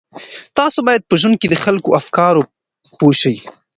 تاسو باید په ژوند کې د خلکو په افکارو پوه شئ.